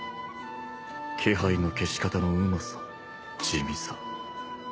気配の消し方のうまさ地味さ